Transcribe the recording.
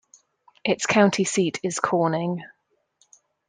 Its county seat is Corning.